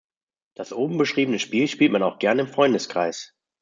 Das oben beschriebene Spiel spielt man auch gern im Freundeskreis.